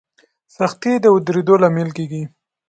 سختي د ودرېدو لامل کېږي.